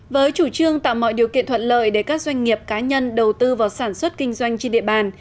với chủ trương tạo mọi điều kiện thuận lợi để các doanh nghiệp cá nhân đầu tư vào sản xuất kinh doanh trên địa bàn